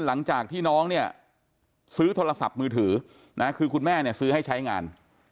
หลังจากที่น้องซื้อโทรศัพท์มือถือคือคุณแม่ซื้อให้ใช้งาน